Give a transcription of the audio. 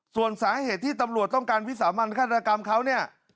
ส่วนสาเหตุที่ตำรวจต้องการวิสามันฆาตกรรมเขาเนี่ย